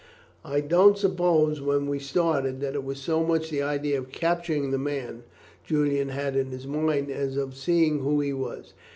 "I don't suppose when he started, that it was so much the idea of capturing the man, Julian had in his mind, as of seeing who he was.